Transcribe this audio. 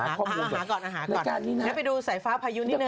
อาหาร้านต่อก่อน